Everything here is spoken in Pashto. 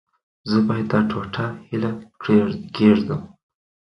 زه باید دا ټوټه هلته کېږدم.